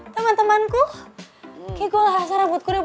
kamu pancuran di sini madung